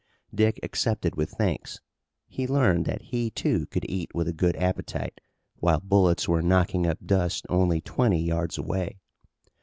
Dick accepted with thanks. He learned that he, too, could eat with a good appetite while bullets were knocking up dust only twenty yards away.